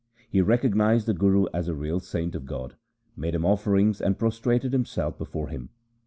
He recognized the Guru as a real saint of God, made him offerings, and prostrated himself before him.